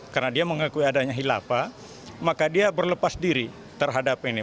karena dia mengakui adanya hilafah maka dia berlepas diri terhadap ini